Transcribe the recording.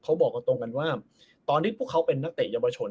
เขาบอกตรงกันว่าตอนนี้พวกเขาเป็นนักเตะเยาวชน